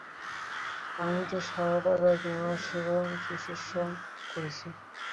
আমি তো সারাটা রাত উনার সেবা শুশ্রূষা করেছি!